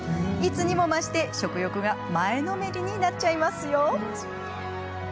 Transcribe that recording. いつにも増して食欲が前のめりになっちゃいます。